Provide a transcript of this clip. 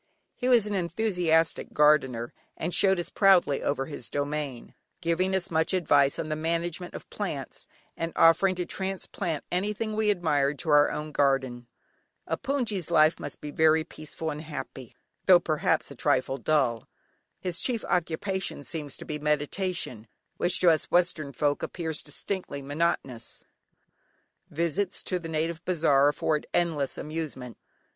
He was an enthusiastic gardener and showed us proudly over his domain, giving us much advice on the management of plants, and offering to transplant anything we admired to our own garden. A hpoongyi's life must be very peaceful and happy, though perhaps a trifle dull. His chief occupation seems to be meditation, which to us western folk appears distinctly monotonous. Visits to the native bazaar afford endless amusement.